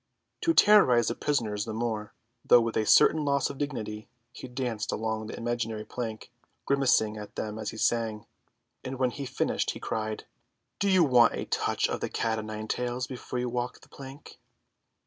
To terrorise the prisoners the more, though with a certain loss of dignity, he danced along an imaginary plank, grimacing at them as he sang; and when he finished he cried, "Do you want a touch of the cat before you walk the plank?"